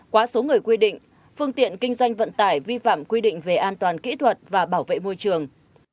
quá số người quy định phương tiện kinh doanh vận tải vi phạm quy định về an toàn kỹ thuật và bảo vệ môi trường